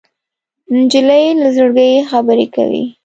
نجلۍ له زړګي خبرې کوي.